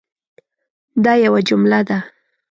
دا یوه جمله ده